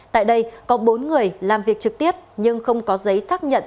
tại đây có bốn người làm việc trực tiếp nhưng không có giấy xác nhận